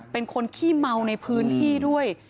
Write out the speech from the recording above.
เป็นคนขี้เมาในพื้นที่ด้วย